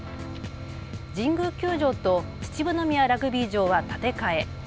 神宮球場と秩父宮ラグビー場は建て替え。